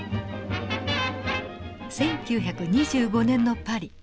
１９２５年のパリ。